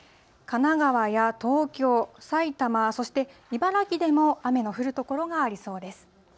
神奈川や東京、さいたま、そして茨城でも雨の降る所がありそうです。